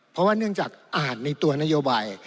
เพราะว่าเนื่องจากอ่านในตัวนโยบาย